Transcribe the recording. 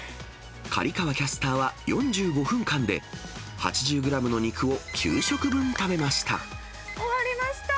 刈川キャスターは４５分間で８０グラムの肉を９食分食べました。